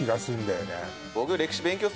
僕。